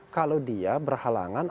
kalau dia berhalangan